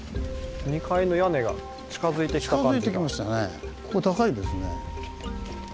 ２階の屋根が近づいてきた感じが。